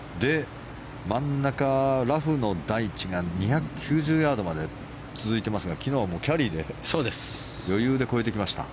真ん中、ラフの第１が２９０ヤードまで続いてますが、昨日はキャリーで余裕で越えてきました。